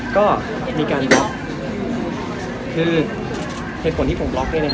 ก็มีการคือเหตุผลที่ผมล๊อคเลยนะคะ